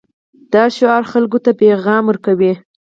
دا شعار خلکو ته پیغام ورکوي.